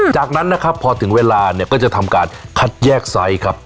จากนั้นนะครับพอถึงเวลาเนี่ยก็จะทำการคัดแยกไซส์ครับ